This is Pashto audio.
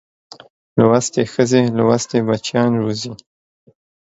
لوستې ښځې لوستي بچیان روزي